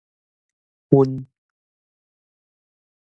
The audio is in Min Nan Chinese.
薰